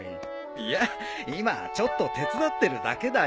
いやあ今ちょっと手伝ってるだけだよ。